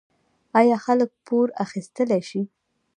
آیا خلک پور اخیستلی شي؟